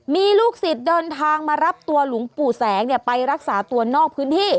มีลูกศิษย์เดินทางมารับตัวหลวงปู่แสงไปรักษาตัวนอกพื้นที่